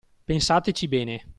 Pensateci bene.